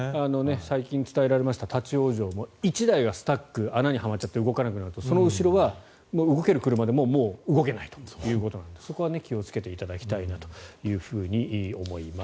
最近伝えられました立ち往生も１台がスタック穴にはまっちゃって動かなくなるとその後ろは動ける車でももう動けないということなのでそこは気をつけていただきたいと思います。